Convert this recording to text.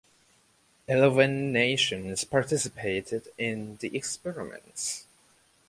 Eleven nations participated in the experiments.